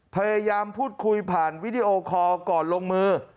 พยายามพูดคุยผ่านวิดีโอคอลก่อนลงมือ